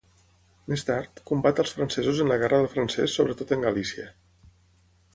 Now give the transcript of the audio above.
Més tard, combat als francesos en la Guerra del francès sobretot en Galícia.